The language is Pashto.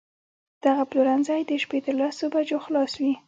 دغه پلورنځی د شپې تر لسو بجو خلاص وي